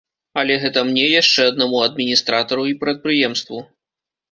Але гэта мне, яшчэ аднаму адміністратару і прадпрыемству.